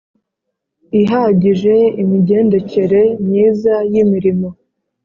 Ihagije Imigendekere Myiza Y Imirimo